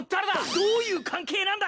どういう関係なんだ！？